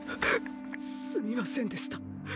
すみませんでした。